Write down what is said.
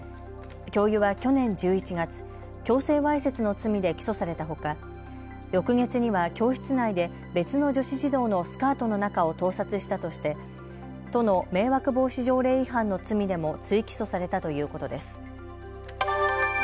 教諭は去年１１月、強制わいせつの罪で起訴されたほか、翌月には教室内で別の女子児童のスカートの中を盗撮したとして都の迷惑防止条例違反の罪でも追起訴されたということです。